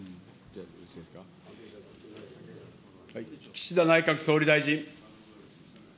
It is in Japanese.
岸田内閣総理大臣。